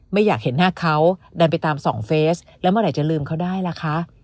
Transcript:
ไม่อยากเห็นหน้าเขาดันไปตามสองเฟสแล้วเมื่อไหร่จะลืมเขาได้ล่ะคะ